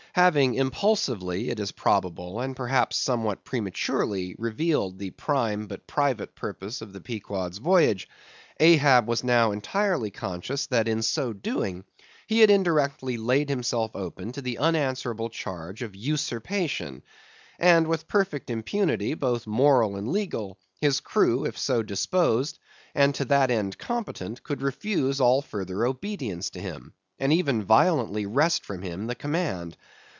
Having impulsively, it is probable, and perhaps somewhat prematurely revealed the prime but private purpose of the Pequod's voyage, Ahab was now entirely conscious that, in so doing, he had indirectly laid himself open to the unanswerable charge of usurpation; and with perfect impunity, both moral and legal, his crew if so disposed, and to that end competent, could refuse all further obedience to him, and even violently wrest from him the command.